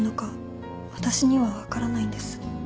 私には分からないんです